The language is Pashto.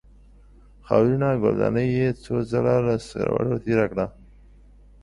خاورینه ګلدانۍ یې څو ځله له سترګو تېره کړه.